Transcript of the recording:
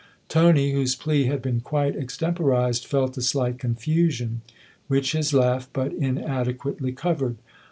Tony, whose plea had been quite extemporised, felt a slight confusion, which his laugh but inadequately covered.